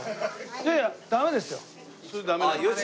いやいやダメですよ。